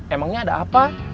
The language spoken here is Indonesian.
emangnya ada apa